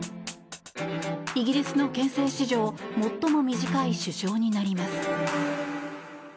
イギリスの憲政史上最も短い首相になります。